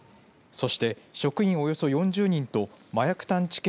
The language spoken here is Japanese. そして、職員およそ４０人と麻薬探知犬